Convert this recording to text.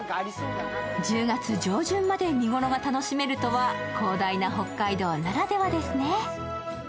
１０月上旬まで見頃が楽しめるとは広大な北海道ならではですね。